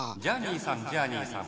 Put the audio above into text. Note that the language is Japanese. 「ジャーニーさん